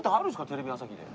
テレビ朝日で。